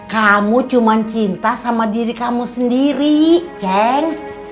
kamu cuma cinta sama diri kamu sendiri ceng